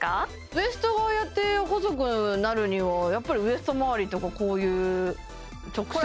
ウエストがああやって細くなるにはやっぱりウエストまわりとかこういう直接？